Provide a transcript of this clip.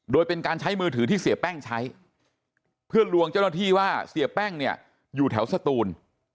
โดยเป็นการใช้มือถือที่เสียแป้งใช้เพื่อลวงเจ้าหน้าที่ว่าเสียแป้งเนี่ยอยู่แถวสตูน